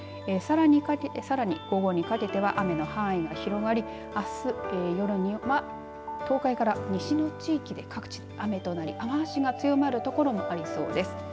さらに午後にかけては雨の範囲が広がりあす夜には東海から西の地域で各地雨となり雨足が強まる所もありそうです。